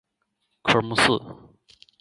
科目四